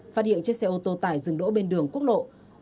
phát hiện chiếc xe ô tô tải dừng đỗ bên đường quốc lộ